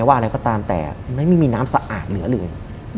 ว่าอะไรก็ตามแต่ไม่มีน้ำสะอาดเหลือเลย